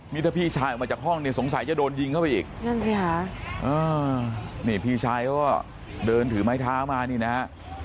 นี่ถ้าพี่ชายออกมาจากห้องเนี่ยสงสัยจะโดนยิงเข้าไปอีกนั่นสิค่ะนี่พี่ชายเขาก็เดินถือไม้เท้ามานี่นะฮะ